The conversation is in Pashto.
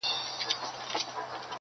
څوک چي د مار بچی په غېږ کي ګرځوینه،